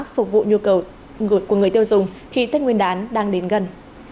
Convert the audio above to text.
phục vụ nhu cầu ngột của người tiêu dùng khi tết nguyên đán đang đến gần